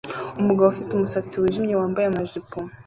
Umugabo ufite umusatsi wijimye wambaye amajipo